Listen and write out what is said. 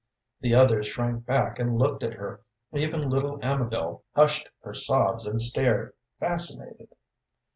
The others shrank back and looked at her; even little Amabel hushed her sobs and stared, fascinated.